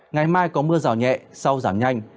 ngày mai có mưa rào nhẹ sau giảm nhanh